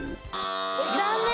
残念。